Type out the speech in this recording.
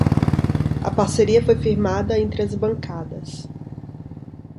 A parceria foi firmada entre as bancadas